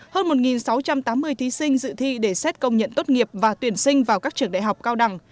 hơn một sáu trăm tám mươi thí sinh dự thi để xét công nhận tốt nghiệp và tuyển sinh vào các trường đại học cao đẳng